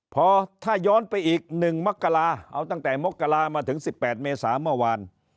พอถ้าย้อนไปอีก๑มกราเอาตั้งแต่มกรามาถึง๑๘เมษาเมื่อวาน